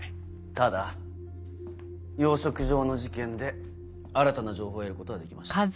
ただ養殖場の事件で新たな情報を得ることができました。